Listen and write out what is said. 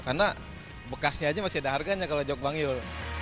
karena bekasnya aja masih ada harganya kalau jog bang yul